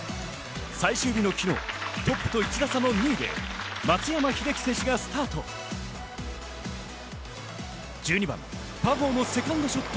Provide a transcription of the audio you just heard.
最終日の昨日、トップと１打差の２位で松山英樹選手がスタート。